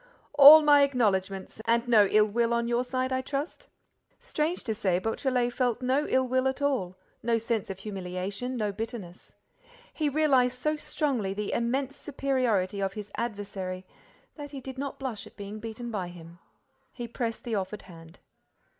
"All my acknowledgements—and no ill will on your side, I trust?" Strange to say, Beautrelet felt no ill will at all, no sense of humiliation, no bitterness. He realized so strongly the immense superiority of his adversary that he did not blush at being beaten by him. He pressed the offered hand.